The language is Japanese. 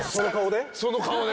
その顔で。